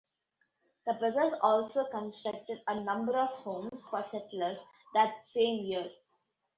The brothers also constructed a number of homes for settlers that same year.